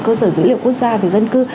cơ sở dữ liệu quốc gia về dân cư